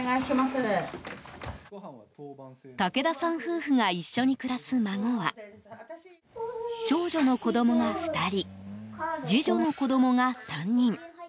武田さん夫婦が一緒に暮らす孫は長女の子供が２人次女の子供が３人。